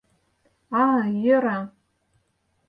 А-а, йӧра.